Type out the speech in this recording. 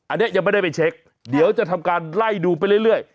อันนี้ยังไม่ได้ไปเช็คเดี๋ยวจะทำการไล่ดูไปเรื่อย